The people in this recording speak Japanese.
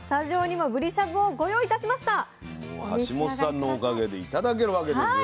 もう橋本さんのおかげで頂けるわけですよ。